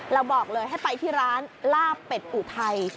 บอกเลยให้ไปที่ร้านลาบเป็ดอุทัย